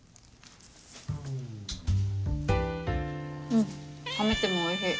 うん冷めてもおいしい。